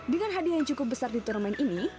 dengan hadiah yang cukup besar di turnamen ini